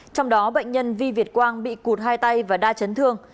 trong đó bệnh nhân vi việt quang bị cụt hai tay và đa chấn thương